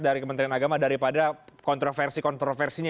dari kementerian agama daripada kontroversi kontroversinya